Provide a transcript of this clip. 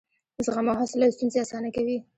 زغم او حوصله ستونزې اسانه کوي.